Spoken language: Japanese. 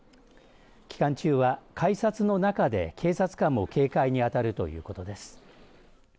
期間中は改札の中で警察官も警戒に当たるということです。